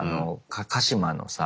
鹿島のさ